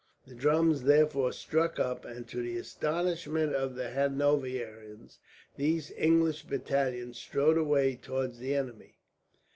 The drums therefore struck up and, to the astonishment of the Hanoverians, these English battalions strode away towards the enemy.